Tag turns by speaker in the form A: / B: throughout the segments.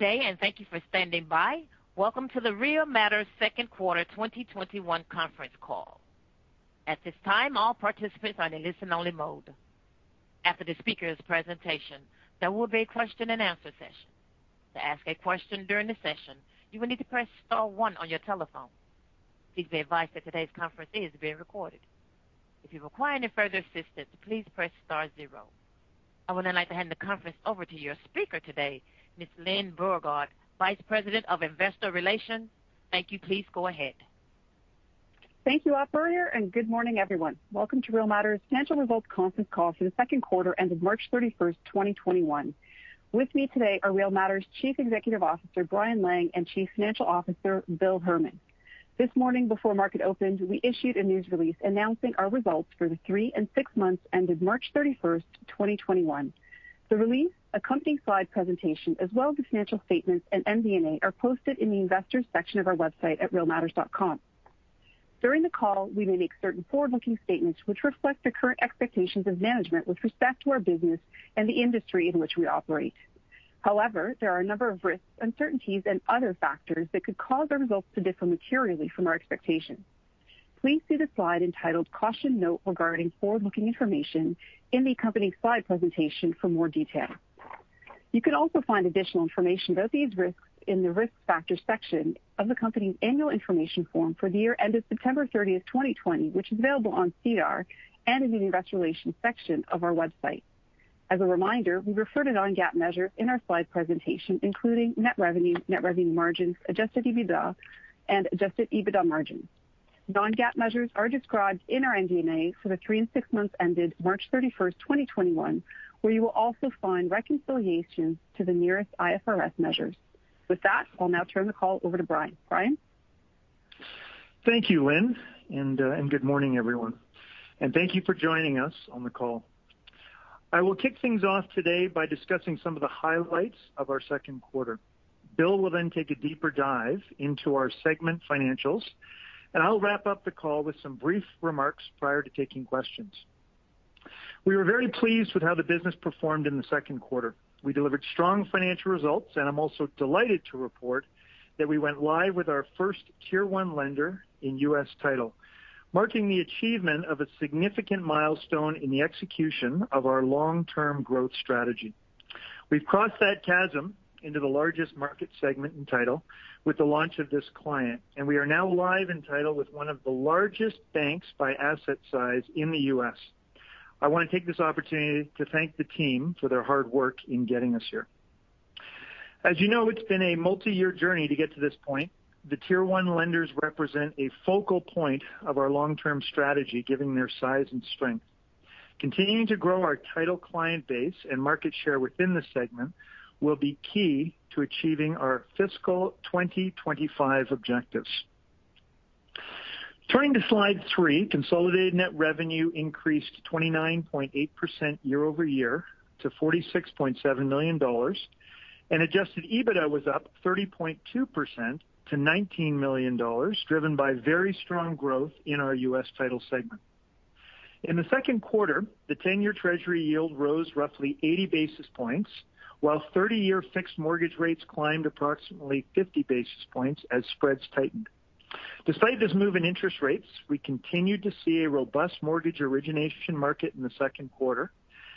A: Today and thank you for standing by. Welcome to the Real Matters second quarter 2021 conference call. At this time, all participants are in listen only mode. After the speaker's presentation, there will be a question and answer session. To ask a question during the session, you will need to press star one on your telephone. Please be advised that today's conference is being recorded. If you require any further assistance, please press star zero. I would then like to hand the conference over to your speaker today, Ms. Lyne Beauregard, Vice President of Investor Relations. Thank you. Please go ahead.
B: Thank you, operator. Good morning, everyone. Welcome to Real Matters financial results conference call for the second quarter end of March 31, 2021. With me today are Real Matters Chief Executive Officer, Brian Lang, and Chief Financial Officer, Bill Herman. This morning before market opened, we issued a news release announcing our results for the three and six months ended March 31, 2021. The release, accompanying slide presentation, as well as the financial statements and MD&A are posted in the investors section of our website at realmatters.com. During the call, we may make certain forward-looking statements which reflect the current expectations of management with respect to our business and the industry in which we operate. However, there are a number of risks, uncertainties and other factors that could cause our results to differ materially from our expectations. Please see the slide entitled Caution Note regarding forward-looking information in the accompanying slide presentation for more detail. You can also find additional information about these risks in the Risk Factors section of the company's annual information form for the year end of September 30th, 2020, which is available on SEDAR and in the investor relations section of our website. As a reminder, we refer to non-GAAP measure in our slide presentation, including net revenue, net revenue margins, adjusted EBITDA and adjusted EBITDA margins. Non-GAAP measures are described in our MD&A for the three and six months ended March 31st, 2021, where you will also find reconciliation to the nearest IFRS measures. With that, I'll now turn the call over to Brian. Brian.
C: Thank you, Lyne, and good morning, everyone. Thank you for joining us on the call. I will kick things off today by discussing some of the highlights of our second quarter. William will then take a deeper dive into our segment financials, I'll wrap up the call with some brief remarks prior to taking questions. We were very pleased with how the business performed in the second quarter. We delivered strong financial results, I'm also delighted to report that we went live with our first tier 1 lender in U.S. Title, marking the achievement of a significant milestone in the execution of our long-term growth strategy. We've crossed that chasm into the largest market segment in Title with the launch of this client, we are now live in Title with one of the largest banks by asset size in the U.S. I want to take this opportunity to thank the team for their hard work in getting us here. As you know, it's been a multi-year journey to get to this point. The tier 1 lenders represent a focal point of our long-term strategy, given their size and strength. Continuing to grow our Title client base and market share within the segment will be key to achieving our fiscal 2025 objectives. Turning to slide three, consolidated net revenue increased 29.8% year-over-year to $46.7 million and adjusted EBITDA was up 30.2% to $19 million, driven by very strong growth in our U.S. Title segment. In the second quarter, the 10-year treasury yield rose roughly 80 basis points, while 30-year fixed mortgage rates climbed approximately 50 basis points as spreads tightened. Despite this move in interest rates, we continued to see a robust mortgage origination market in the second quarter,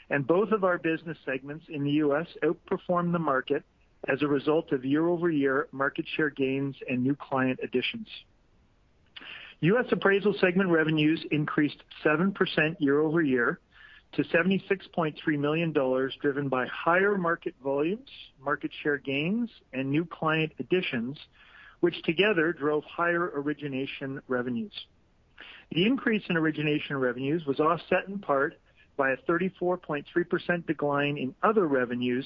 C: and both of our business segments in the U.S. outperformed the market as a result of year-over-year market share gains and new client additions. U.S. Appraisal segment revenues increased 7% year-over-year to $76.3 million, driven by higher market volumes, market share gains, and new client additions, which together drove higher origination revenues. The increase in origination revenues was offset in part by a 34.3% decline in other revenues,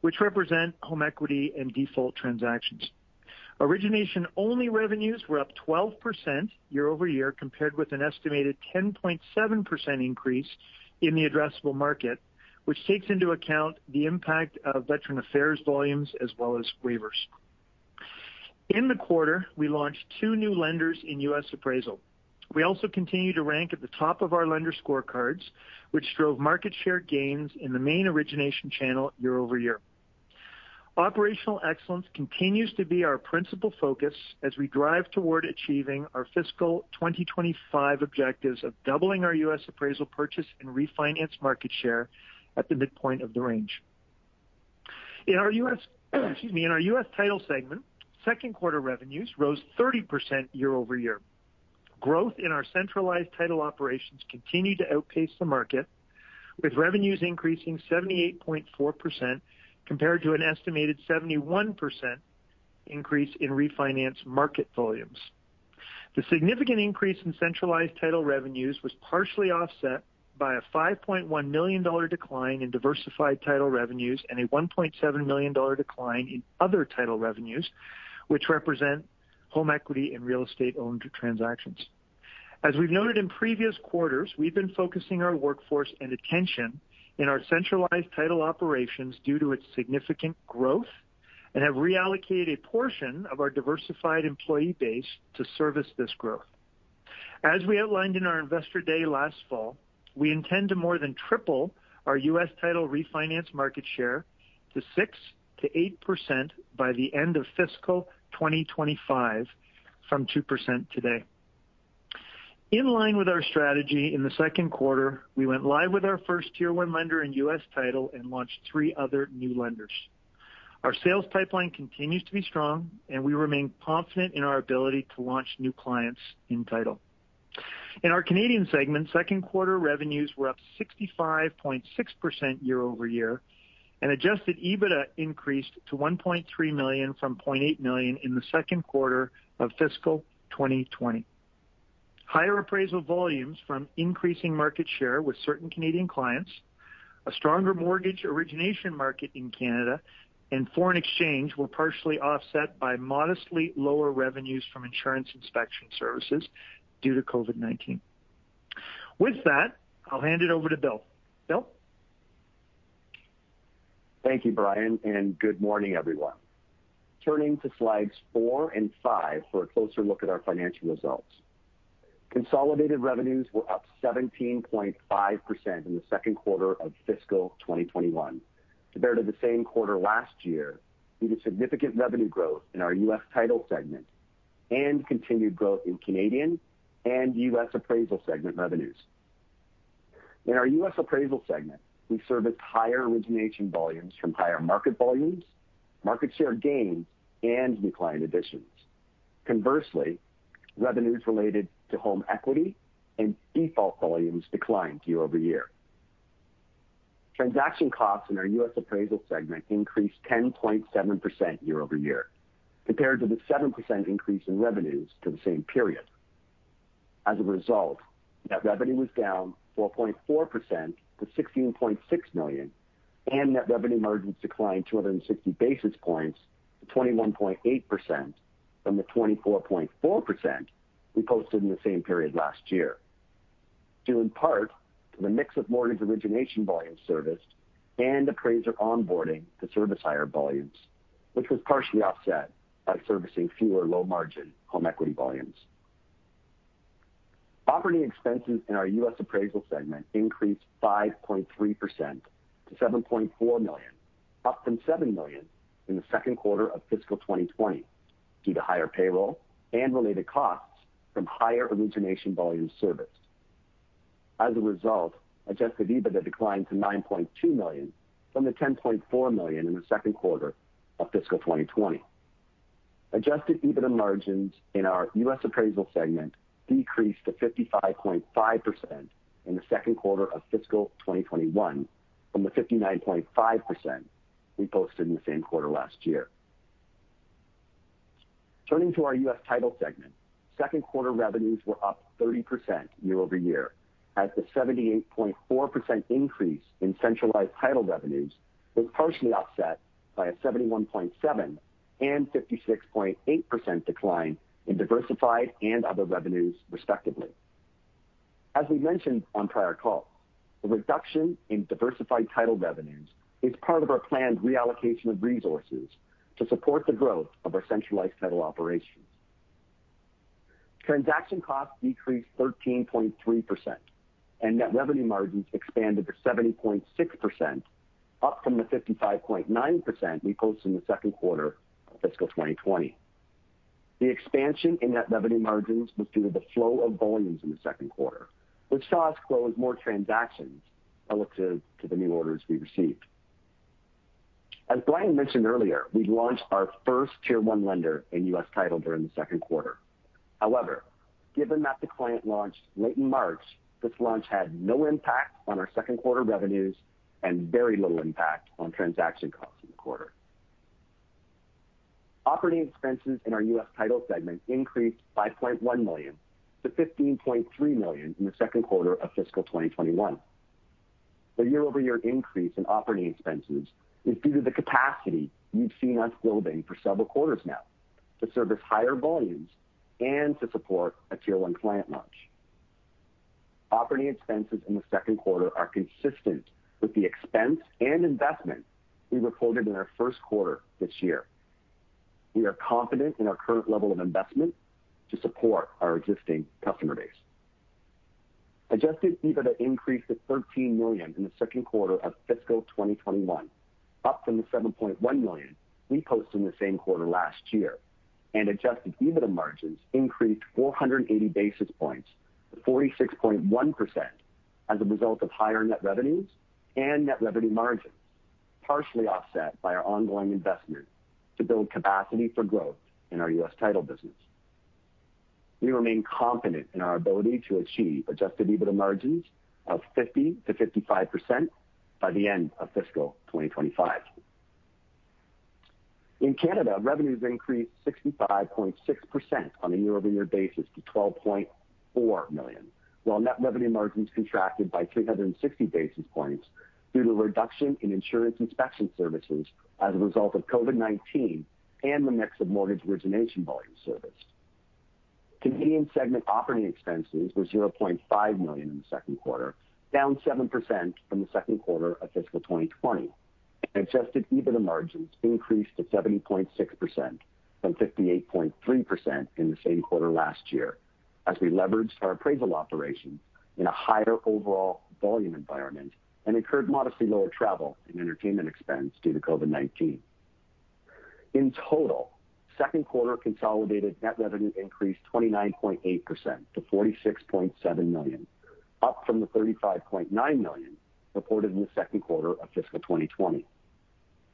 C: which represent home equity and default transactions. Origination-only revenues were up 12% year-over-year compared with an estimated 10.7% increase in the addressable market, which takes into account the impact of Veteran Affairs volumes as well as waivers. In the quarter, we launched two new lenders in U.S. Appraisal. We also continue to rank at the top of our lender scorecards, which drove market share gains in the main origination channel year-over-year. Operational excellence continues to be our principal focus as we drive toward achieving our fiscal 2025 objectives of doubling our U.S. Appraisal purchase and refinance market share at the midpoint of the range. In our U.S. Title segment, second quarter revenues rose 30% year-over-year. Growth in our centralized Title operations continued to outpace the market, with revenues increasing 78.4% compared to an estimated 71% increase in refinance market volumes. The significant increase in centralized Title revenues was partially offset by a $5.1 million decline in diversified Title revenues and a $1.7 million decline in other Title revenues, which represent home equity and real estate-owned transactions. As we've noted in previous quarters, we've been focusing our workforce and attention in our centralized Title operations due to its significant growth and have reallocated portion of our diversified employee base to service this growth. As we outlined in our Investor Day last fall, we intend to more than triple our U.S. Title refinance market share to 6%-8% by the end of fiscal 2025 from 2% today. In line with our strategy in the second quarter, we went live with our first tier 1 lender in U.S. Title and launched three other new lenders. Our sales pipeline continues to be strong, and we remain confident in our ability to launch new clients in Title. In our Canadian segment, second quarter revenues were up 65.6% year-over-year. Adjusted EBITDA increased to 1.3 million from 0.8 million in the second quarter of fiscal 2020. Higher appraisal volumes from increasing market share with certain Canadian clients, a stronger mortgage origination market in Canada and foreign exchange were partially offset by modestly lower revenues from insurance inspection services due to COVID-19. With that, I'll hand it over to Bill. Bill?
D: Thank you, Brian, and good morning, everyone. Turning to slides four and five for a closer look at our financial results. Consolidated revenues were up 17.5% in the second quarter of fiscal 2021 compared to the same quarter last year due to significant revenue growth in our U.S. Title segment and continued growth in Canadian and U.S. Appraisal segment revenues. In our U.S. Appraisal segment, we serviced higher origination volumes from higher market volumes, market share gains, and new client additions. Conversely, revenues related to home equity and default volumes declined year-over-year. Transaction costs in our U.S. Appraisal segment increased 10.7% year-over-year compared to the 7% increase in revenues for the same period. As a result, net revenue was down 4.4% to $16.6 million. Net revenue margins declined 260 basis points to 21.8% from the 24.4% we posted in the same period last year, due in part to the mix of mortgage origination volume serviced and appraiser onboarding to service higher volumes, which was partially offset by servicing fewer low-margin home equity volumes. Operating expenses in our U.S. appraisal segment increased 5.3% to $7.4 million, up from $7 million in the second quarter of fiscal 2020 due to higher payroll and related costs from higher origination volume serviced. As a result, adjusted EBITDA declined to $9.2 million from the $10.4 million in the second quarter of fiscal 2020. Adjusted EBITDA margins in our U.S. Appraisal segment decreased to 55.5% in the second quarter of fiscal 2021 from the 59.5% we posted in the same quarter last year. Turning to our U.S. Title segment. Second quarter revenues were up 30% year-over-year as the 78.4% increase in centralized title revenues was partially offset by a 71.7% and 56.8% decline in diversified and other revenues, respectively. As we mentioned on prior calls, the reduction in diversified title revenues is part of our planned reallocation of resources to support the growth of our centralized title operations. Transaction costs decreased 13.3%, and net revenue margins expanded to 70.6%, up from the 55.9% we posted in the second quarter of fiscal 2020. The expansion in net revenue margins was due to the flow of volumes in the second quarter, which saw us close more transactions relative to the new orders we received. As Brian mentioned earlier, we launched our first tier 1 lender in U.S. Title during the second quarter. However, given that the client launched late in March, this launch had no impact on our second quarter revenues and very little impact on transaction costs in the quarter. Operating expenses in our U.S. Title segment increased $5.1 million-$15.3 million in the second quarter of fiscal 2021. The year-over-year increase in operating expenses is due to the capacity you've seen us building for several quarters now to service higher volumes and to support a tier 1 client launch. Operating expenses in the second quarter are consistent with the expense and investment we reported in our first quarter this year. We are confident in our current level of investment to support our existing customer base. Adjusted EBITDA increased to $13 million in the second quarter of fiscal 2021, up from the $7.1 million we posted in the same quarter last year. Adjusted EBITDA margins increased 480 basis points to 46.1% as a result of higher net revenues and net revenue margins, partially offset by our ongoing investment to build capacity for growth in our U.S. Title business. We remain confident in our ability to achieve adjusted EBITDA margins of 50%-55% by the end of fiscal 2025. In Canada, revenues increased 65.6% on a year-over-year basis to 12.4 million, while net revenue margins contracted by 360 basis points due to reduction in insurance inspection services as a result of COVID-19 and the mix of mortgage origination volume serviced. Canadian segment operating expenses were 0.5 million in the second quarter, down 7% from the second quarter of fiscal 2020. Adjusted EBITDA margins increased to 70.6% from 68.3% in the same quarter last year as we leveraged our appraisal operations in a higher overall volume environment and incurred modestly lower travel and entertainment expense due to COVID-19. In total, second quarter consolidated net revenue increased 29.8% to 46.7 million, up from the 35.9 million reported in the second quarter of fiscal 2020.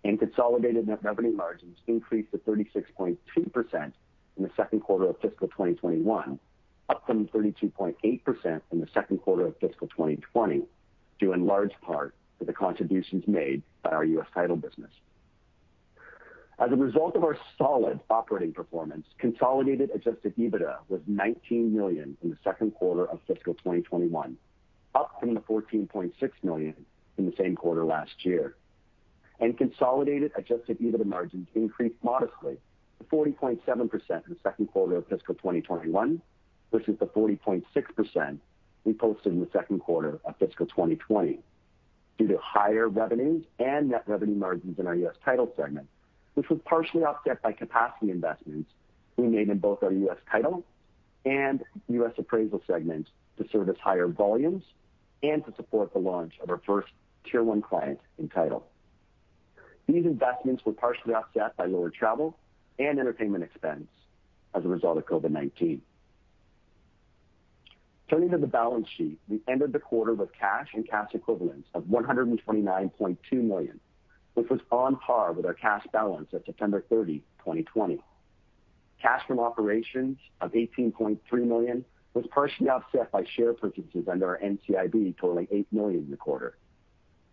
D: Consolidated net revenue margins increased to 36.2% in the second quarter of fiscal 2021, up from 32.8% in the second quarter of fiscal 2020, due in large part to the contributions made by our U.S. Title business. As a result of our solid operating performance, consolidated adjusted EBITDA was CAD 19 million in the second quarter of fiscal 2021, up from the 14.6 million in the same quarter last year. Consolidated adjusted EBITDA margins increased modestly to 40.7% in the second quarter of fiscal 2021 versus the 40.6% we posted in the second quarter of fiscal 2020 due to higher revenues and net revenue margins in our U.S. Title segment, which was partially offset by capacity investments we made in both our U.S. Title and U.S. Appraisal segment to service higher volumes and to support the launch of our first tier 1 client in Title. These investments were partially offset by lower travel and entertainment expense as a result of COVID-19. Turning to the balance sheet, we ended the quarter with cash and cash equivalents of $129.2 million, which was on par with our cash balance at September 30, 2020. Cash from operations of 18.3 million was partially offset by share purchases under our NCIB totaling 8 million in the quarter.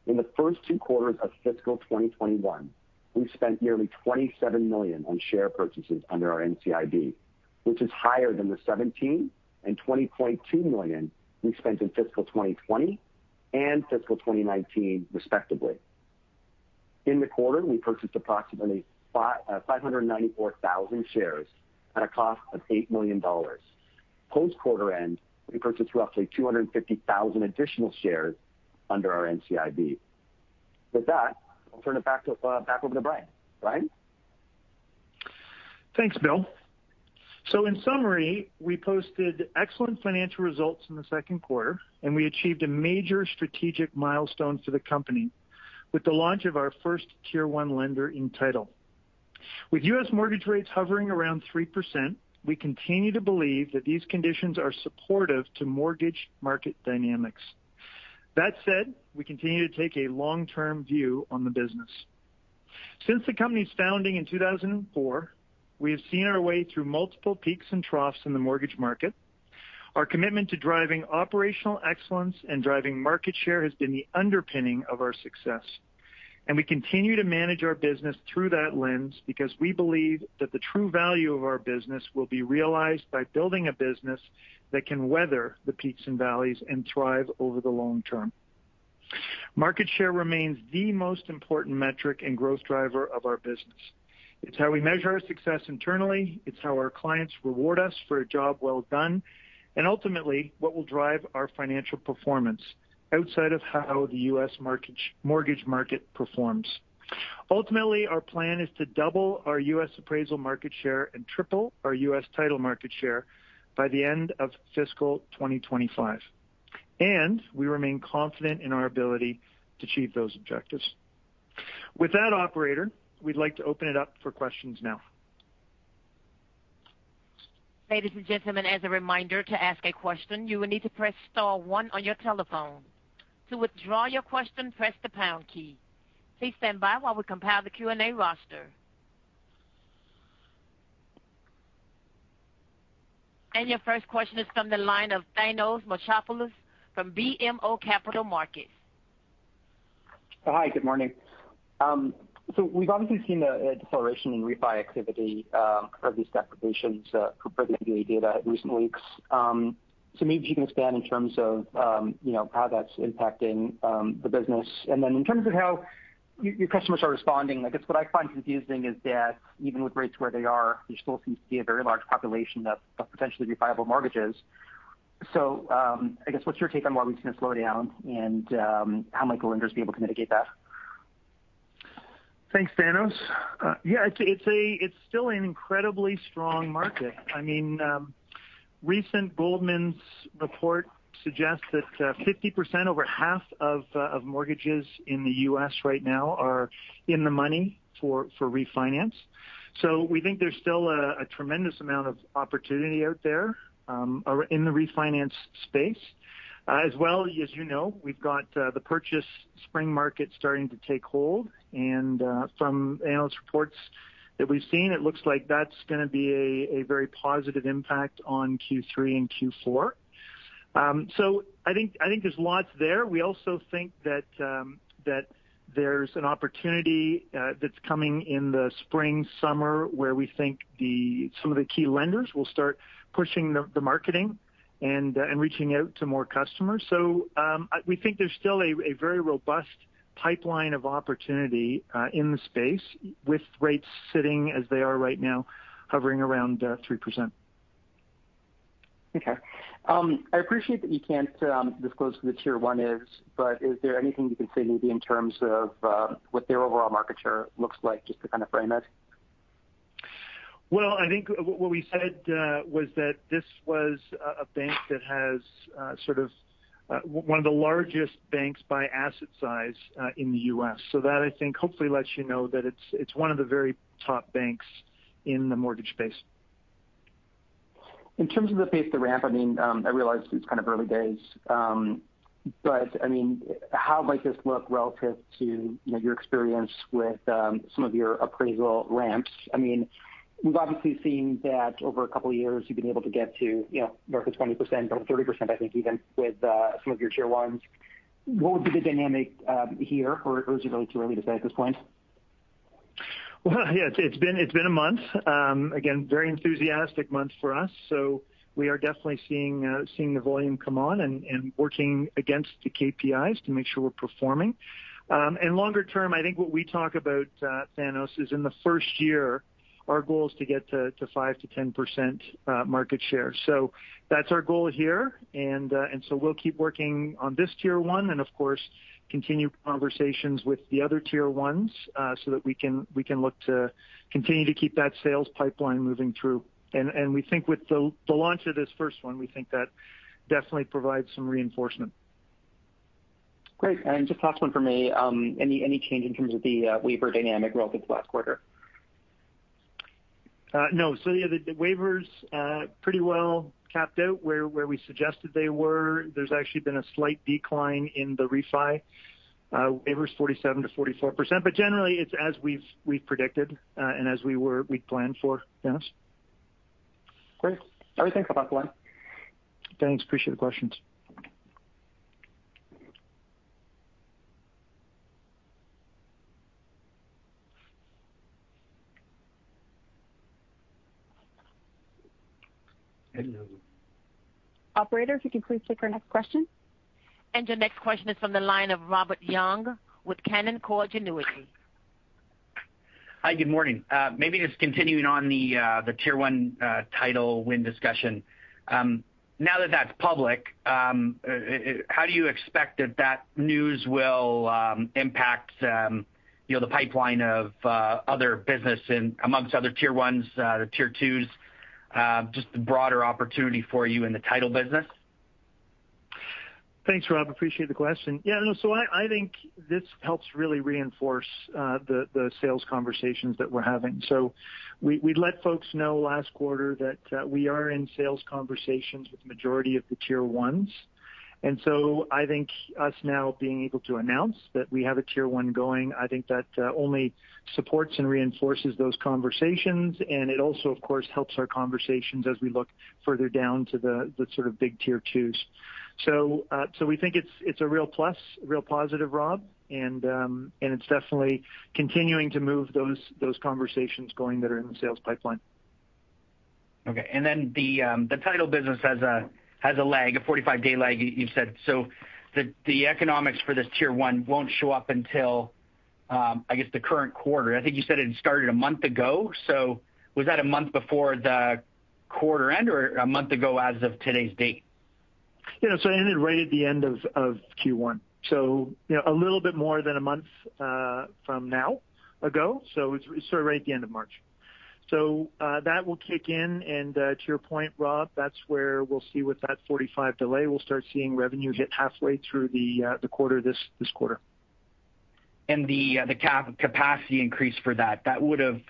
D: In the first two quarters of fiscal 2021, we've spent nearly 27 million on share purchases under our NCIB, which is higher than the 17 million and 20.2 million we spent in fiscal 2020 and fiscal 2019 respectively. In the quarter, we purchased approximately 594,000 shares at a cost of 8 million dollars. Post-quarter end, we purchased roughly 250,000 additional shares under our NCIB. With that, I'll turn it back over to Brian. Brian?
C: Thanks, Bill. In summary, we posted excellent financial results in the second quarter, and we achieved a major strategic milestone for the company with the launch of our first tier 1 lender in U.S. Title. With U.S. mortgage rates hovering around 3%, we continue to believe that these conditions are supportive to mortgage market dynamics. That said, we continue to take a long-term view on the business. Since the company's founding in 2004, we have seen our way through multiple peaks and troughs in the mortgage market. Our commitment to driving operational excellence and driving market share has been the underpinning of our success. We continue to manage our business through that lens because we believe that the true value of our business will be realized by building a business that can weather the peaks and valleys and thrive over the long term. Market share remains the most important metric and growth driver of our business. It's how we measure our success internally, it's how our clients reward us for a job well done, and ultimately, what will drive our financial performance outside of how the U.S. mortgage market performs. Ultimately, our plan is to double our U.S. Appraisal market share and triple our U.S. Title market share by the end of fiscal 2025, and we remain confident in our ability to achieve those objectives. With that, operator, we'd like to open it up for questions now.
A: Ladies and gentlemen, as a reminder, to ask a question, you will need to press star one on your telephone. To withdraw your question, press the pound key. Please stand by while we compile the Q&A roster. Your first question is from the line of Thanos Moschopoulos from BMO Capital Markets.
E: Hi. Good morning. We've obviously seen a deceleration in refi activity, at least applications, per the MBA data recent weeks. Maybe if you can expand in terms of, you know, how that's impacting the business. In terms of how your customers are responding, I guess what I find confusing is that even with rates where they are, there still seems to be a very large population of potentially refiable mortgages. I guess, what's your take on why we've seen a slowdown and how might the lenders be able to mitigate that?
C: Thanks, Thanos. Yeah, it's a, it's still an incredibly strong market. I mean, recent Goldman's report suggests that 50%, over half of mortgages in the U.S. right now are in the money for refinance. We think there's still a tremendous amount of opportunity out there in the refinance space. As well, as you know, we've got the purchase spring market starting to take hold. From analysts' reports that we've seen, it looks like that's gonna be a very positive impact on Q3 and Q4. I think there's lots there. We also think that there's an opportunity that's coming in the spring, summer, where we think the, some of the key lenders will start pushing the marketing and reaching out to more customers. We think there's still a very robust pipeline of opportunity, in the space with rates sitting as they are right now, hovering around, 3%.
E: Okay. I appreciate that you can't disclose who the Tier 1 is, but is there anything you can say maybe in terms of what their overall market share looks like, just to kind of frame it?
C: Well, I think what we said was that this was a bank that has sort of one of the largest banks by asset size in the U.S. That I think hopefully lets you know that it's one of the very top banks in the mortgage space.
E: In terms of the pace to ramp, I mean, I realize it's kind of early days. I mean, how might this look relative to, you know, your experience with, some of your appraisal ramps? I mean, we've obviously seen that over a couple years you've been able to get to, you know, north of 20%, about 30% I think even with, some of your Tier 1s. What would be the dynamic, here, or is it really too early to say at this point?
C: Well, yeah, it's been a month. Again, very enthusiastic month for us, we are definitely seeing the volume come on and working against the KPIs to make sure we're performing. Longer term, I think what we talk about, Thanos, is in the first year our goal is to get to 5%-10% market share. That's our goal here. We'll keep working on this Tier 1 and of course continue conversations with the other Tier 1s so that we can look to continue to keep that sales pipeline moving through. We think with the launch of this first one, we think that definitely provides some reinforcement.
E: Great. Just last one from me. Any change in terms of the waiver dynamic relative to last quarter?
C: No. The waivers pretty well capped out where we suggested they were. There's actually been a slight decline in the refi. Waivers 47%-44%. Generally it's as we've predicted and as we'd planned for, Thanos.
E: Great. All right, thanks a lot.
C: Thanks. Appreciate the questions. And the next-
B: Operator, if you could please click our next question.
A: Your next question is from the line of Robert Young with Canaccord Genuity.
F: Hi, good morning. Maybe just continuing on the Tier 1 title win discussion. Now that that's public, how do you expect that that news will impact, you know, the pipeline of other business amongst other Tier 1s, the Tier 2s, just the broader opportunity for you in the title business?
C: Thanks, Rob. Appreciate the question. I think this helps really reinforce the sales conversations that we're having. We let folks know last quarter that we are in sales conversations with the majority of the Tier 1s. I think us now being able to announce that we have a Tier 1 going, I think that only supports and reinforces those conversations, and it also of course helps our conversations as we look further down to the sort of big Tier 2s. We think it's a real plus, a real positive, Rob. It's definitely continuing to move those conversations going that are in the sales pipeline.
F: Okay. The title business has a lag, a 45-day lag you said. The economics for this Tier 1 won't show up until I guess the current quarter. I think you said it had started a month ago. Was that a month before the quarter end or a month ago as of today's date?
C: It ended right at the end of Q1, you know, a little bit more than a month from now ago. It's sort of right at the end of March. That will kick in, to your point, Rob, that's where we'll see with that 45 delay, we'll start seeing revenue hit halfway through the quarter this quarter.
F: The capacity increase for that would've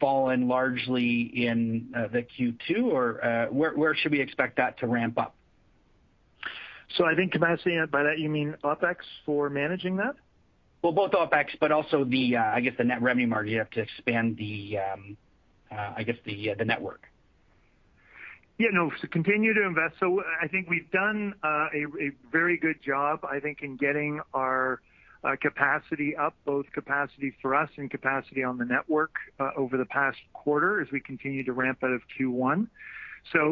F: fallen largely in the Q2, or, where should we expect that to ramp up?
C: I think capacity, by that you mean OpEx for managing that?
F: Well, both OpEx but also the, I guess the net revenue margin. You have to expand the, I guess the network.
C: No, continue to invest. I think we've done a very good job, I think, in getting our capacity up, both capacity for us and capacity on the network over the past quarter as we continue to ramp out of Q1.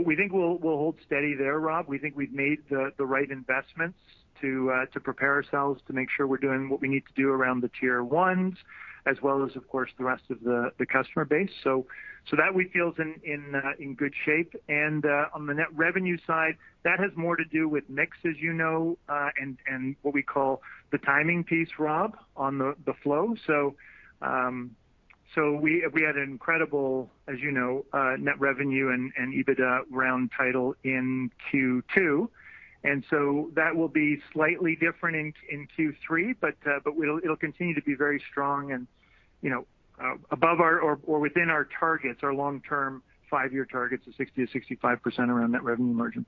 C: We think we'll hold steady there, Rob. We think we've made the right investments to prepare ourselves to make sure we're doing what we need to do around the Tier 1s as well as, of course, the rest of the customer base. That we feel is in good shape. On the net revenue side, that has more to do with mix, as you know, and what we call the timing piece, Rob, on the flow. We had an incredible, as you know, net revenue and EBITDA around Title in Q2. That will be slightly different in Q3, but it'll continue to be very strong and, you know, above our or within our targets, our long-term five-year targets of 60%-65% around net revenue margin.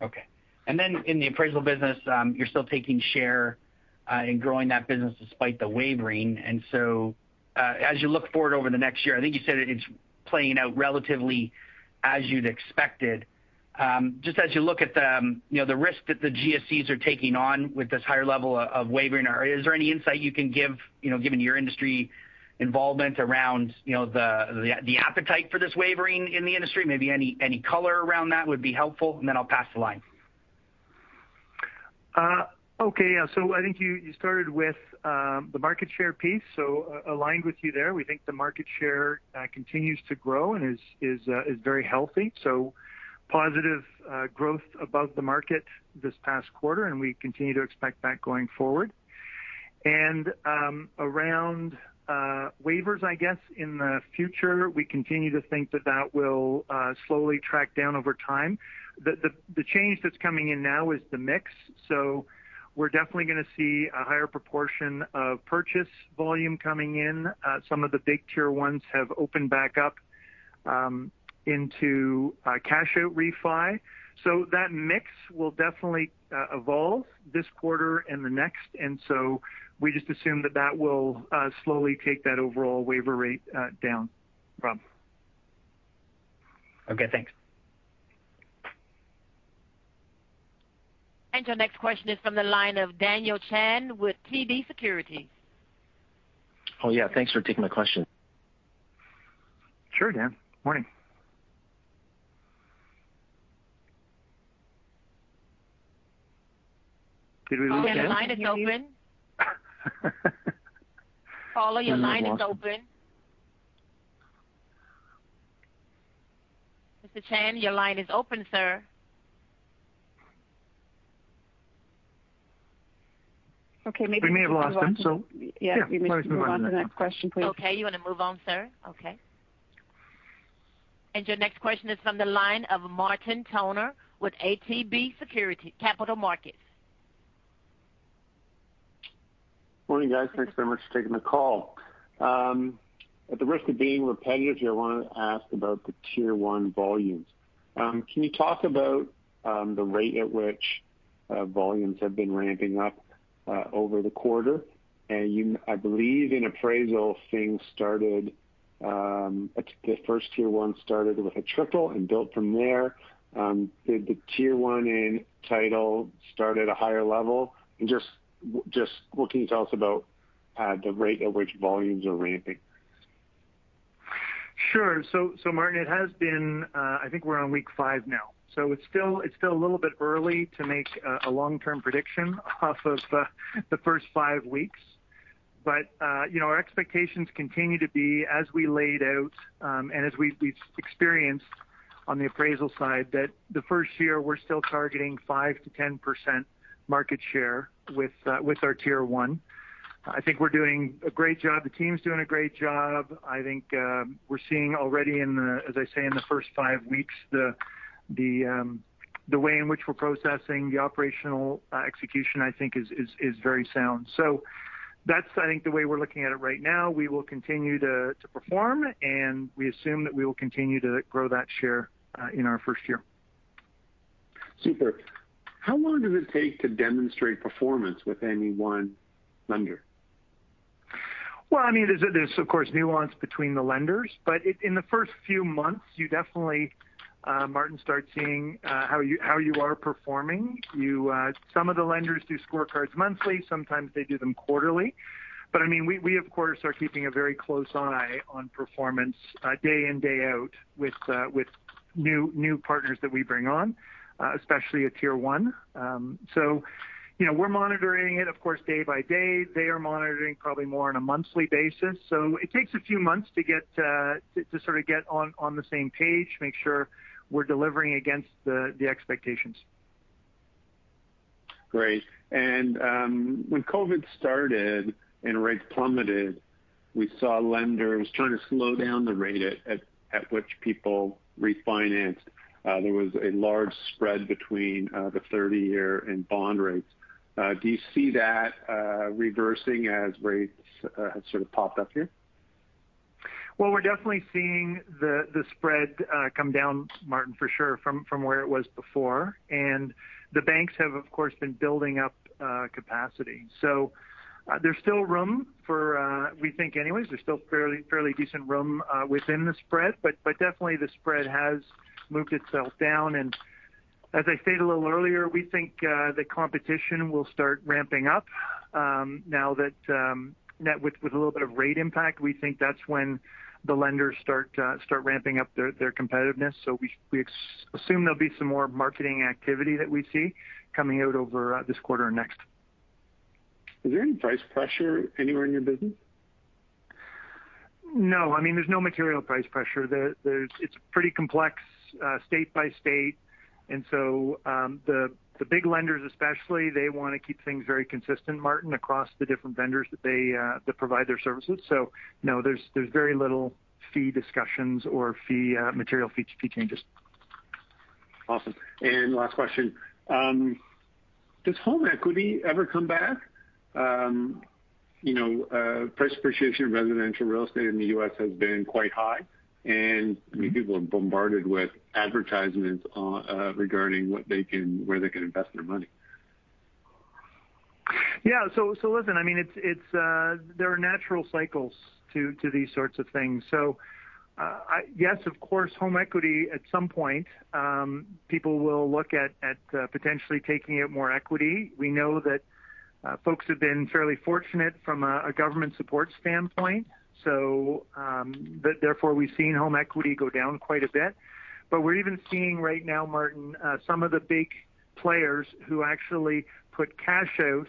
F: Okay. In the appraisal business, you're still taking share and growing that business despite the wavering. As you look forward over the next year, I think you said it's playing out relatively as you'd expected. Just as you look at the, you know, the risk that the GSEs are taking on with this higher level of wavering, is there any insight you can give, you know, given your industry involvement around, you know, the appetite for this wavering in the industry? Maybe any color around that would be helpful, and then I'll pass the line.
C: Okay, yeah. I think you started with the market share piece, aligned with you there. We think the market share continues to grow and is very healthy. Positive growth above the market this past quarter, and we continue to expect that going forward. Around waivers, I guess, in the future, we continue to think that that will slowly track down over time. The change that's coming in now is the mix, we're definitely gonna see a higher proportion of purchase volume coming in. Some of the big Tier 1s have opened back up into cash out refi. That mix will definitely evolve this quarter and the next. We just assume that that will slowly take that overall waiver rate down, Rob.
F: Okay, thanks.
A: Your next question is from the line of Daniel Chan with TD Securities.
G: Oh, yeah, thanks for taking my question.
C: Sure, Dan. Morning. Did we lose Dan?
A: Dan, the line is open. Paulo, your line is open. Mr. Chan, your line is open, sir. Okay, maybe we should move on.
C: We may have lost him.
A: Yeah.
C: Yeah. Why don't we move on then?
B: Maybe we should move on to the next question, please.
A: Okay. You wanna move on, sir? Okay. Your next question is from the line of Martin Toner with ATB Capital Markets.
H: Morning, guys. Thanks very much for taking the call. At the risk of being repetitive, I want to ask about the Tier 1 volumes. Can you talk about the rate at which volumes have been ramping up over the quarter? I believe in Appraisal, things started, the first Tier 1 started with a triple and built from there. Did the Tier 1 in Title start at a higher level? Just what can you tell us about the rate at which volumes are ramping?
C: Sure. Martin, it has been, I think we're on week five now. It's still, it's still a little bit early to make a long-term prediction off of the first five weeks. You know, our expectations continue to be as we laid out, and as we've experienced on the appraisal side that the first year we're still targeting 5%-10% market share with our Tier 1. I think we're doing a great job. The team's doing a great job. I think, we're seeing already in the, as I say, in the first five weeks, the way in which we're processing the operational execution, I think is very sound. That's, I think, the way we're looking at it right now. We will continue to perform, and we assume that we will continue to grow that share in our first year.
H: Super. How long does it take to demonstrate performance with any one lender?
C: Well, I mean, there's of course nuance between the lenders, but in the first few months you definitely, Martin, start seeing how you are performing. You, some of the lenders do scorecards monthly, sometimes they do them quarterly. I mean, we of course are keeping a very close eye on performance, day in, day out with new partners that we bring on, especially at Tier 1. You know, we're monitoring it, of course, day by day. They are monitoring probably more on a monthly basis. It takes a few months to get to sort of get on the same page, make sure we're delivering against the expectations.
H: Great. When COVID started and rates plummeted, we saw lenders trying to slow down the rate at which people refinanced. There was a large spread between the 30-year and bond rates. Do you see that reversing as rates have sort of popped up here?
C: Well, we're definitely seeing the spread come down, Martin, for sure, from where it was before. The banks have, of course, been building up capacity. There's still room for, we think anyways, there's still fairly decent room within the spread, but definitely the spread has moved itself down. As I stated a little earlier, we think the competition will start ramping up now that, net with a little bit of rate impact. We think that's when the lenders start ramping up their competitiveness. We assume there'll be some more marketing activity that we see coming out over this quarter or next.
H: Is there any price pressure anywhere in your business?
C: No. I mean, there's no material price pressure. It's pretty complex, state by state. The big lenders especially, they wanna keep things very consistent, Martin, across the different vendors that they that provide their services. No, there's very little fee discussions or fee, material fee changes.
H: Awesome. Last question. Does home equity ever come back? You know, price appreciation in residential real estate in the U.S. has been quite high, and many people are bombarded with advertisements regarding where they can invest their money.
C: Listen, I mean, it's there are natural cycles to these sorts of things. Yes, of course, home equity at some point, people will look at potentially taking out more equity. We know that folks have been fairly fortunate from a government support standpoint, therefore we've seen home equity go down quite a bit. We're even seeing right now, Martin, some of the big players who actually put cash out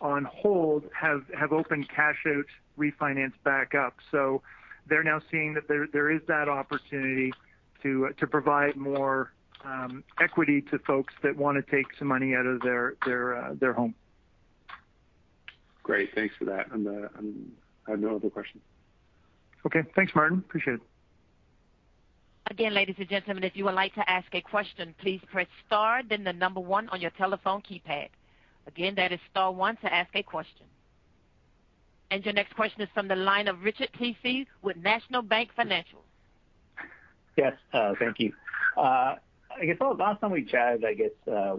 C: on hold have opened cash out refinance back up. They're now seeing that there is that opportunity to provide more equity to folks that wanna take some money out of their home.
H: Great. Thanks for that. I have no other questions.
C: Okay. Thanks, Martin. Appreciate it.
A: Again, ladies and gentlemen, if you would like to ask a question, please press star 1 on your telephone keypad. Again, that is star one to ask a question. Your next question is from the line of Richard Tse with National Bank Financial.
I: Yes. Thank you. I guess, well, last time we chatted, I guess,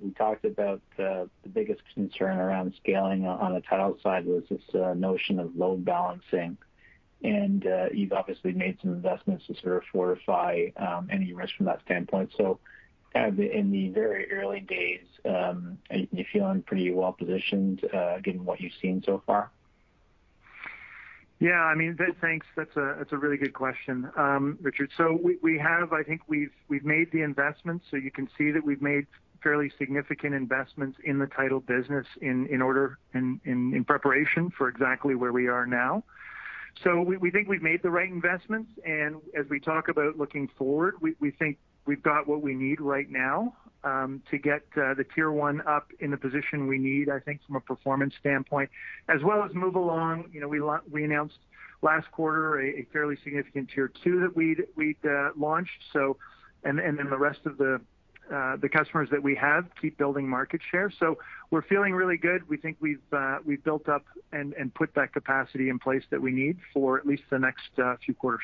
I: we talked about the biggest concern around scaling on the title side was this notion of loan balancing. You've obviously made some investments to sort of fortify any risk from that standpoint. In the very early days, are you feeling pretty well-positioned given what you've seen so far?
C: Yeah. I mean, thanks. That's a really good question, Richard. We have I think we've made the investments. You can see that we've made fairly significant investments in the U.S. Title business in order, in preparation for exactly where we are now. We think we've made the right investments, and as we talk about looking forward, we think we've got what we need right now to get the tier 1 up in the position we need, I think, from a performance standpoint, as well as move along. You know, we announced last quarter a fairly significant tier 2 that we'd launched, so the rest of the customers that we have keep building market share. We're feeling really good. We think we've built up and put that capacity in place that we need for at least the next few quarters.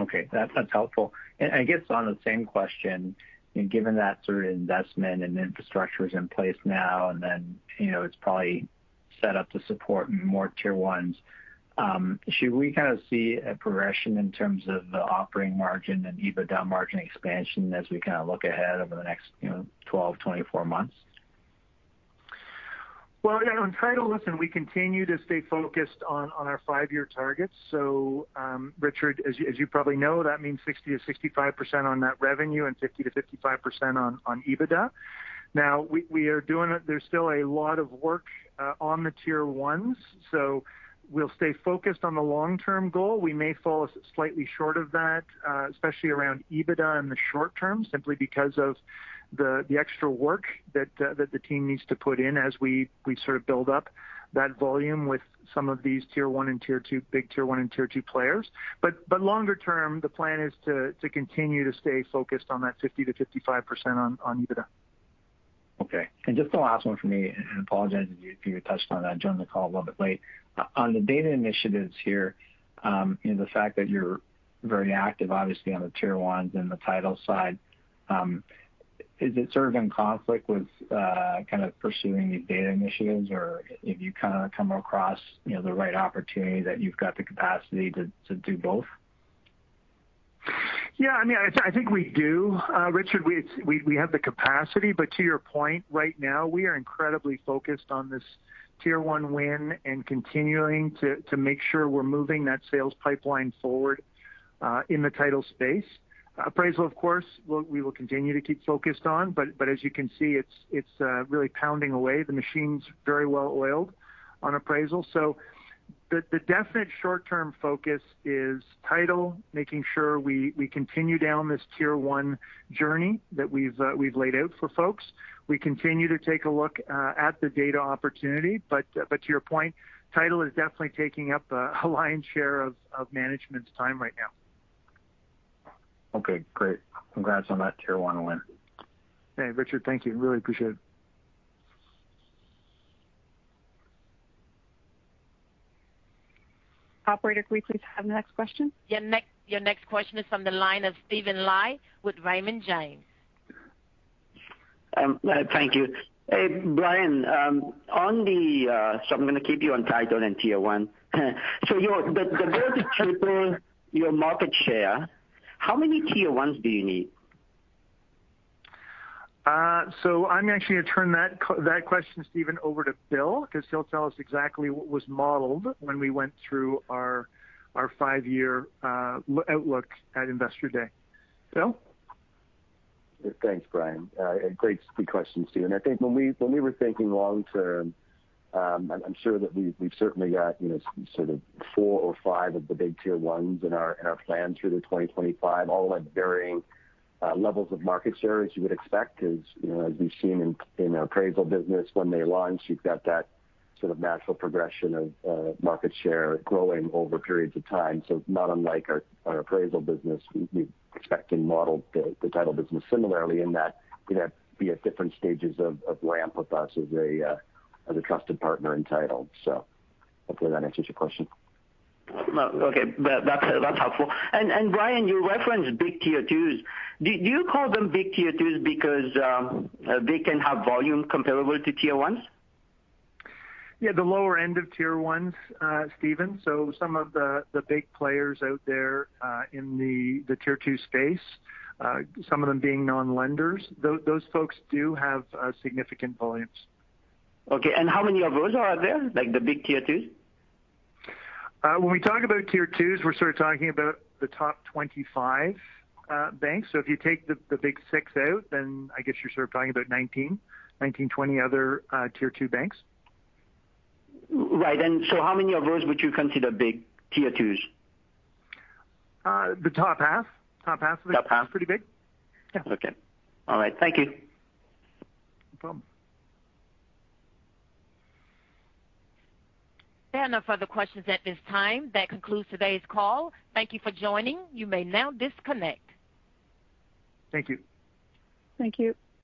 I: Okay. That's helpful. I guess on the same question, I mean, given that sort of investment and infrastructure is in place now, and then, you know, it's probably set up to support more tier 1s, should we kind of see a progression in terms of the operating margin and EBITDA margin expansion as we kind of look ahead over the next, you know, 12, 24 months?
C: In U.S. Title, we continue to stay focused on our five-year targets. Richard, as you probably know, that means 60%-65% on net revenue and 50%-55% on EBITDA. We are doing it. There's still a lot of work on the tier 1s, we'll stay focused on the long-term goal. We may fall slightly short of that, especially around EBITDA in the short term, simply because of the extra work that the team needs to put in as we build up that volume with some of these big tier 1 and tier 2 players. Longer term, the plan is to continue to stay focused on that 50%-55% on EBITDA.
I: Okay. Just the last one from me, I apologize if you touched on that. I joined the call a little bit late. On the data initiatives here, you know, the fact that you're very active obviously on the tier 1s and the title side, is it sort of in conflict with kind of pursuing these data initiatives? If you kind of come across, you know, the right opportunity that you've got the capacity to do both?
C: I mean, I think we do. Richard, we have the capacity, but to your point, right now we are incredibly focused on this tier 1 win and continuing to make sure we're moving that sales pipeline forward in the title space. Appraisal, of course, we will continue to keep focused on, but as you can see, it's really pounding away. The machine's very well oiled on appraisal. The definite short-term focus is title, making sure we continue down this tier 1 journey that we've laid out for folks. We continue to take a look at the data opportunity. To your point, Title is definitely taking up a lion's share of management's time right now.
I: Okay. Great. Congrats on that tier 1 win.
C: Hey, Richard. Thank you. Really appreciate it.
B: Operator, can we please have the next question?
A: Your next question is from the line of Steven Li with Raymond James.
J: Thank you. Hey, Brian, I'm gonna keep you on U.S. Title and tier 1. The goal to triple your market share, how many tier 1s do you need?
C: I'm actually gonna turn that question, Steven, over to Bill, 'cause he'll tell us exactly what was modeled when we went through our five-year outlook at Investor Day. Bill?
D: Thanks, Brian. Great question, Steven. I think when we were thinking long term, I'm sure that we've certainly got, you know, sort of four or five of the big tier ones in our plan through to 2025, all at varying levels of market share, as you would expect. You know, as we've seen in our U.S. Appraisal business when they launch, you've got that sort of natural progression of market share growing over periods of time. Not unlike our U.S. Appraisal business, we expect and modeled the U.S. Title business similarly in that, you know, be at different stages of ramp with us as a trusted partner in title. Hopefully that answers your question.
J: No. Okay. That's helpful. Brian, you referenced big tier 2s. Do you call them big tier 2s because they can have volume comparable to tier 1s?
C: The lower end of tier 1, Steven. Some of the big players out there in the tier 2 space, some of them being non-lenders. Those folks do have significant volumes.
J: Okay. How many of those are out there, like the big tier 2s?
C: When we talk about tier 2s, we're sort of talking about the top 25 banks. If you take the big six out, then I guess you're sort of talking about 19, 20 other tier 2 banks.
J: Right. How many of those would you consider big tier 2s?
C: The top half.
J: Top half.
C: Are pretty big. Yeah.
J: Okay. All right. Thank you.
C: No problem.
A: There are no further questions at this time. That concludes today's call. Thank you for joining. You may now disconnect.
C: Thank you.
B: Thank you.